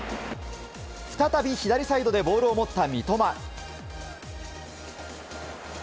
再び左サイドでボールを持った三笘。